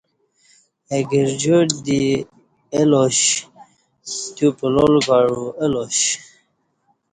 اہ گرجار دی اہ لاش تیو پلال کعو الا ش